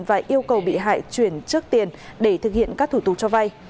và yêu cầu bị hại chuyển trước tiền để thực hiện các thủ tục cho vay